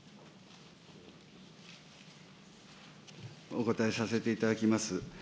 お答えさせていただきます。